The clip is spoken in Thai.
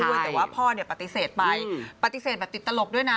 ด้วยแต่ว่าพ่อเนี่ยปฏิเสธไปปฏิเสธแบบติดตลกด้วยนะ